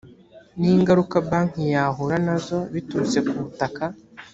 n ingaruka banki yahura nazo biturutse ku butaka